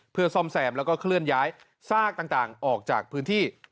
เพื่อซ่อมแซมแล้วก็เคลื่อนย้ายซากต่างออกจากพื้นที่